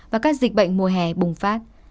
và các dịch bệnh mùa hè bùng phát